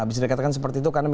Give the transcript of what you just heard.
bisa dikatakan seperti itu